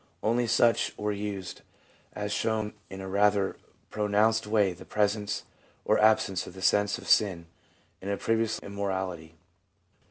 Only such were used as showed in a rather pronounced way the presence or absence of the sense of sin and of previous immorality.